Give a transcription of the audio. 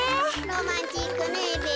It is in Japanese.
ロマンチックねべ。